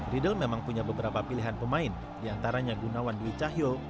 riedel memang punya beberapa pilihan pemain diantaranya gunawan dwi cahyo